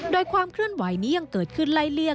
โดยความเคลื่อนไหวนี้ยังเกิดขึ้นไล่เลี่ยง